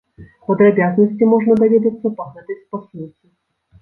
Падрабязнасці можна даведацца па гэтай спасылцы.